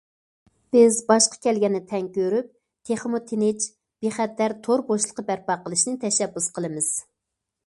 بىز باشقا كەلگەننى تەڭ كۆرۈپ، تېخىمۇ تىنچ، بىخەتەر تور بوشلۇقى بەرپا قىلىشنى تەشەببۇس قىلىمىز.